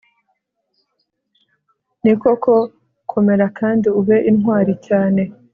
ni koko, komera kandi ube intwari cyane